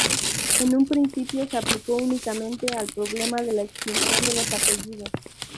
En un principio se aplicó únicamente al problema de la extinción de los apellidos.